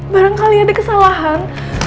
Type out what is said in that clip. barangkali ada kesalahan